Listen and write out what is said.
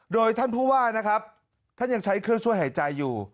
โดยท่านผู้ว่านะครับท่านยังใช้เครื่องช่วยหายใจอยู่